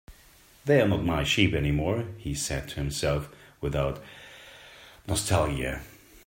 "They're not my sheep anymore," he said to himself, without nostalgia.